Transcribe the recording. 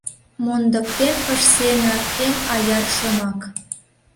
Мондыктен ыш сеҥе эн аяр шомак.